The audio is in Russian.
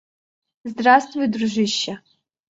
Здравствуй, дружище.